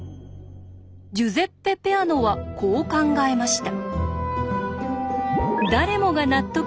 ジュゼッペ・ペアノはこう考えました。